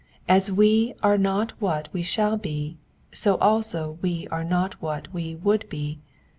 As we are not what we shall be, so also we are not what we would be.